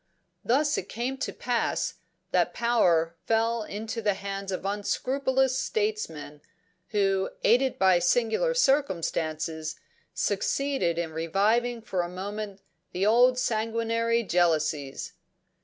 Thus it came to pass that power fell into the hands of unscrupulous statesmen, who, aided by singular circumstances, succeeded in reviving for a moment the old sanguinary jealousies.